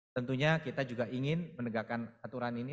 tentunya kita juga ingin menegakkan aturan ini